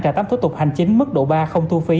cả tám thủ tục hành chính mức độ ba không thu phí